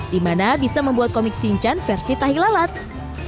dimana bisa membuat komik sinchan versi tahila lats